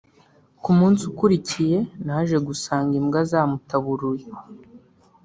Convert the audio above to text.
ku munsi ukurikiye naje gusanga imbwa zamutaburuye